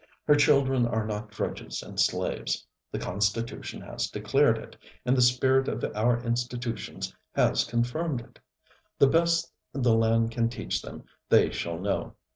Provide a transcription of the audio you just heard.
Her children are not drudges and slaves. The Constitution has declared it, and the spirit of our institutions has confirmed it. The best the land can teach them they shall know.